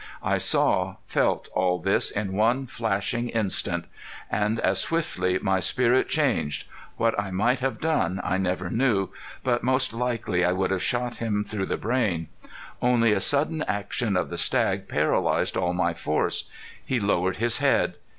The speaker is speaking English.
I saw, felt all this in one flashing instant. And as swiftly my spirit changed. What I might have done I never knew, but most likely I would have shot him through the brain. Only a sudden action of the stag paralyzed all my force. He lowered his head.